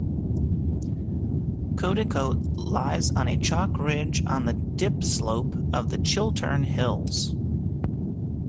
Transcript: Codicote lies on a chalk ridge on the dip slope of the Chiltern Hills.